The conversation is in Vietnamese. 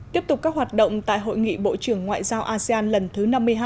tiếp tục các hoạt động tại hội nghị bộ trưởng ngoại giao asean lần thứ năm mươi hai